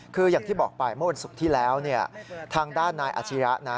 คืออย่างที่บอกไปเมื่อวันศุกร์ที่แล้วทางด้านนายอาชิระนะ